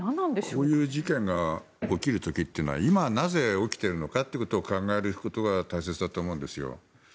こういう事件が起きる時というのは今なぜ、起きているのかということを考えることが大切だと思うんですよ。